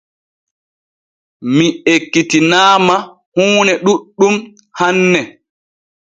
Mi ekkitinaama huune ɗuuɗɗum hanne.